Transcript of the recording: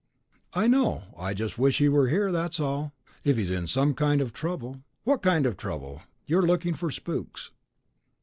"I know. I just wish he were here, that's all. If he's in some kind of trouble...." "What kind of trouble? You're looking for spooks."